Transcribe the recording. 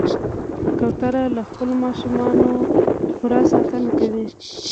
کوتره له خپلو ماشومانو نه پوره ساتنه کوي.